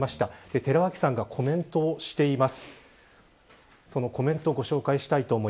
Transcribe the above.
寺脇さんがコメントをしています。